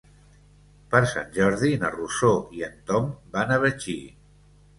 Per Sant Jordi na Rosó i en Tom van a Betxí.